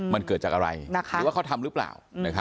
มันเกิดจากอะไรหรือว่าเขาทำหรือเปล่า